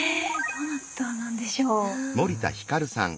どなたなんでしょう。